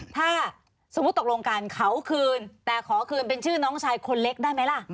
ถ้าสมมุติตกลงกันเขาคืนแต่ขอคืนเป็นชื่อน้องชายคนเล็กได้ไหมล่ะ